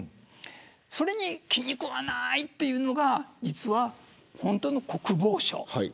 それに気に食わないというのが本当の国防省。